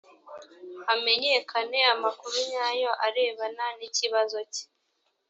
hamenyekane amakuru nyayo arebana n ikibazo cye